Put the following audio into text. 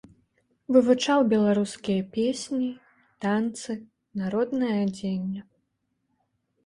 Вывучаў беларускія песні, танцы, народнае адзенне.